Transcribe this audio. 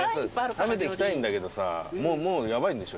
食べていきたいんだけどさもうヤバいんでしょ？